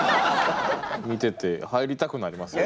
見てて入りたくなります。